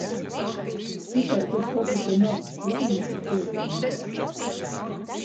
Cytaiž iz kopu to nā. Lai jī tī dzeivoj mīrā.